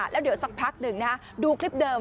เดี๋ยวสักพักดูคลิปเดิม